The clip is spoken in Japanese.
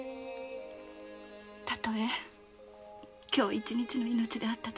たとえ今日一日の命であったとしても。